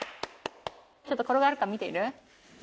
ちょっと転がるか見てみる？